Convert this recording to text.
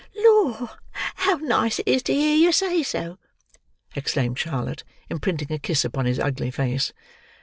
"Lor, how nice it is to hear yer say so!" exclaimed Charlotte, imprinting a kiss upon his ugly face.